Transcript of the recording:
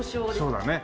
そうだね。